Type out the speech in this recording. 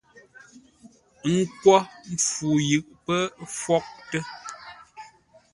Ə́ nkwô mpfu yʉʼ pə́ fwótə́.